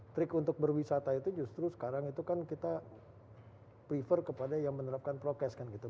trik untuk berwisata itu justru sekarang itu kan kita prefer kepada yang menerapkan prokes kan gitu